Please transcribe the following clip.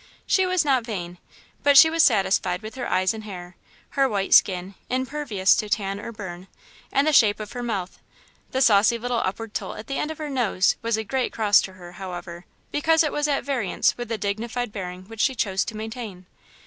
She was not vain, but she was satisfied with her eyes and hair, her white skin, impervious to tan or burn, and the shape of her mouth. The saucy little upward tilt at the end of her nose was a great cross to her, however, because it was at variance with the dignified bearing which she chose to maintain.